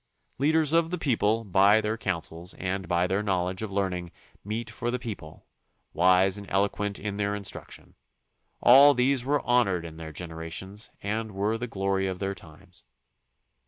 Leaders of the people by their counsels and by their knowledge of learning meet for the peo ple; wise and eloquent in their instructions; all these were honored in their generations and were the glory of their times.